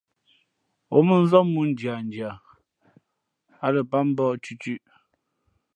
Ǒ mᾱnzám mōō ndiandia, ǎ lα pát mbōh tʉtʉ̄ʼ.